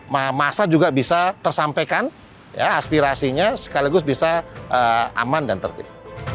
nah masa juga bisa tersampaikan aspirasinya sekaligus bisa aman dan tertib